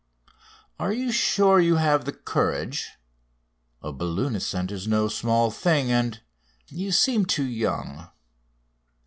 Are you sure you have the courage? A balloon ascent is no small thing, and you seem too young."